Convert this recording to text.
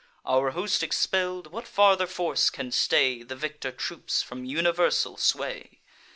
Our host expell'd, what farther force can stay The victor troops from universal sway?